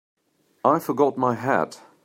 I forgot my hat.